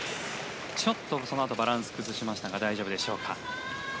ちょっと、そのあとバランスを崩しましたが大丈夫でしょうか。